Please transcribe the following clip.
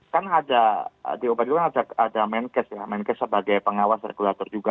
kan di obat itu ada menkes sebagai pengawas regulator juga